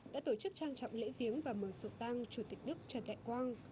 đã tổ chức trang trọng lễ viếng và mở sổ tang chủ tịch nước trần đại quang